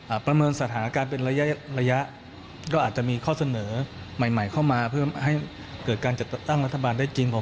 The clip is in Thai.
อาพรมมือสถานการณ์เป็นระยะก็อาจจะมีข้อเสนอใหม่เข้ามาเพื่อให้เกิดการจัดตั้งรัฐบาลได้จริงผม